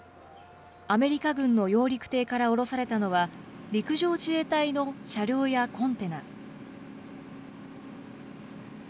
アメリカ軍の揚陸艇から降ろされたのは、陸上自衛隊の車両やコンテナ。